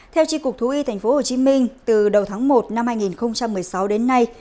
theo tri cục thú y tp hcm từ đầu tháng một năm hai nghìn một mươi sáu đến nay